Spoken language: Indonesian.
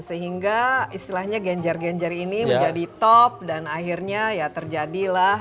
sehingga istilahnya genjer genjer ini menjadi top dan akhirnya ya terjadilah